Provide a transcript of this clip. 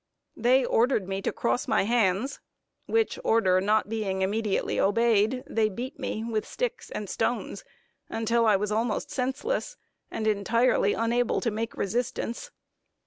They ordered me to cross my hands, which order not being immediately obeyed, they beat me with sticks and stones until I was almost senseless, and entirely unable to make resistance.